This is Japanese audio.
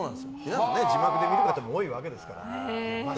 字幕で見た方も多いわけですから。